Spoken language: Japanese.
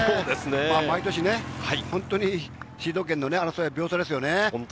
毎年本当にシード権の争いは秒差ですよね。